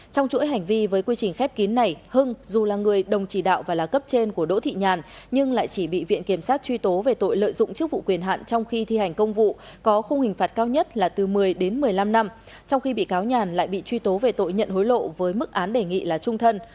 trong chuỗi hành vi với quy trình khép kín này hưng dù là người đồng chỉ đạo và là cấp trên của đỗ thị nhàn nhưng lại chỉ bị viện kiểm sát truy tố về tội lợi dụng chức vụ quyền hạn trong khi thi hành công vụ có khung hình phạt cao nhất là từ một mươi đến một mươi năm năm trong khi bị cáo nhàn lại bị truy tố về tội nhận hối lộ với mức án đề nghị là trung thân